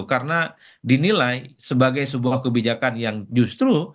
karena dinilai sebagai sebuah kebijakan yang justru